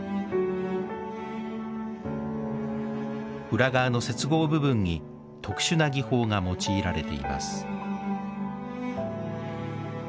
裏側の接合部分に特殊な技法が用いられています。